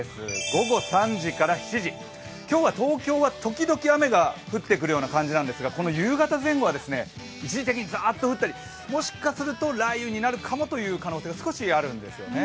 午後３時から７時、今日は東京はときどき雨が降ってくる感じですが、この夕方前後は一時的にざーっと降ったりもしかすると雷雨になるかもという可能性が少しあるんですよね。